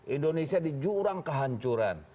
indonesia di jurang kehancuran